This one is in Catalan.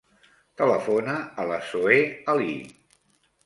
Telefona a la Zoè Ali.